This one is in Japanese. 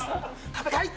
食べたい！